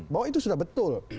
bahwa itu sudah betul